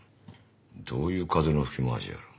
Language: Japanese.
どういう風の吹き回しや。